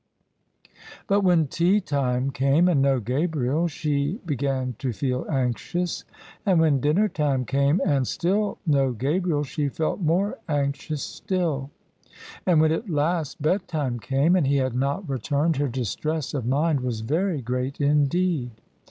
But when tea time came, and no Gabriel, she began to feel anxious: and when dinner time came, and still no Gabriel, she felt more anxious still: and when at last bed time came, and he had not returned, her distress of mind was very great indeed.